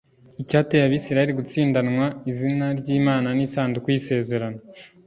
Icyateye Abisirayeli gutsindanwa izina ry’Imana n’isanduku y’isezerano